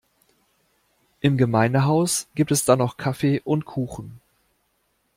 Im Gemeindehaus gibt es dann noch Kaffee und Kuchen.